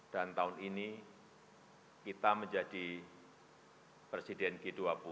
dan tahun ini kita menjadi presiden g dua puluh